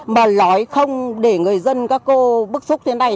mà nói không để người dân các cô bức xúc tiến này